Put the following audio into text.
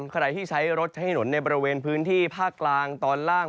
ใครที่ใช้รถใช้ถนนในบริเวณพื้นที่ภาคกลางตอนล่าง